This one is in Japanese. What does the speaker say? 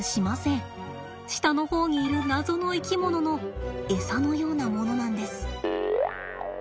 下の方にいる謎の生き物のエサのようなものなんです。